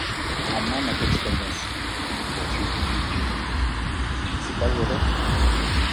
Rends-moi ma petite Agnès! poursuivit Gudule. — Tu ne sais pas où elle est?